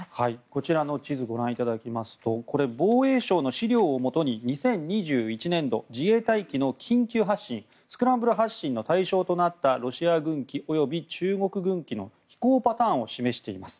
こちらの地図をご覧いただきますと防衛省の資料をもとに２０２１年度自衛隊機の緊急発進スクランブル発進の対象となったロシア軍機及び中国軍機の飛行パターンを示しています。